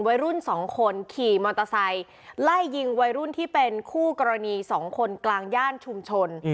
วัยรุ่นสองคนขี่มอเตอร์ไซค์ไล่ยิงวัยรุ่นที่เป็นคู่กรณี๒คนกลางย่านชุมชน